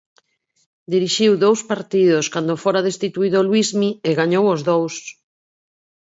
Dirixiu dous partidos cando fora destituído Luismi e gañou os dous.